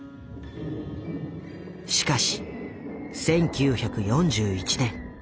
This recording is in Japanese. しかし１９４１年。